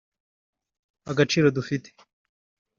Agaciro dufite